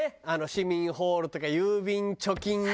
市民ホールとか郵便貯金。